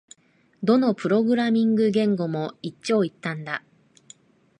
どのプログラミング言語も一長一短だ